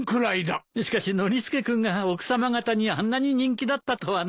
しかしノリスケ君が奥さま方にあんなに人気だったとはね。